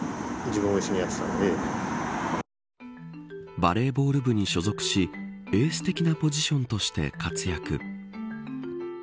バレーボール部に所属しエース的なポジションとして活躍。